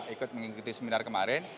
ikut mengikuti seminar kemarin